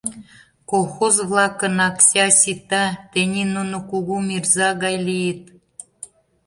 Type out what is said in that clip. Колхоз-влакын аксьа сита, тений нуно кугу мирза гай лийыт.